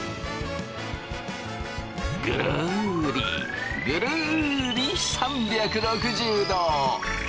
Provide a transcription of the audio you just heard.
ぐるりぐるり３６０度！